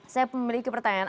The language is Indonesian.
saya memiliki pertanyaan